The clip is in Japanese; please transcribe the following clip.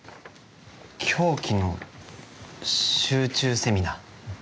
「狂気の集中セミナー」。